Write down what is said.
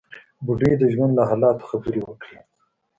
بوډۍ د ژوند له حالاتو خبرې وکړې.